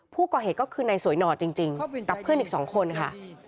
ผู้ก่อเหตุก็คือนายสวยหนอดจริงกับเพื่อนอีก๒คนค่ะ